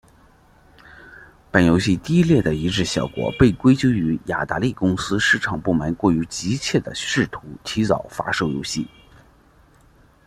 本游戏低劣的移植效果被归咎于雅达利公司市场部门过于急切地试图提早发售游戏。